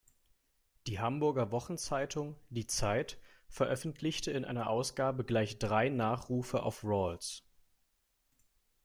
Die Hamburger Wochenzeitung Die Zeit veröffentlichte in einer Ausgabe gleich drei Nachrufe auf Rawls.